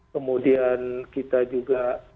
kemudian kita juga